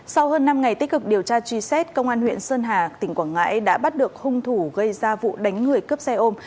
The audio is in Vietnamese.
sau hơn năm ngày tích cực điều tra truy xét công an huyện sơn hà tỉnh quảng ngãi đã bắt được hung thủ gây ra vụ đánh người cướp xe ôm